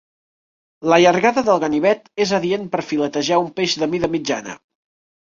La llargada del ganivet és adient per filetejar un peix de mida mitjana.